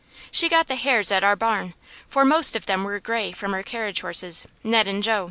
She got the hairs at our barn, for most of them were gray from our carriage horses, Ned and Jo.